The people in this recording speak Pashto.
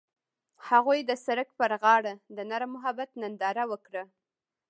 هغوی د سړک پر غاړه د نرم محبت ننداره وکړه.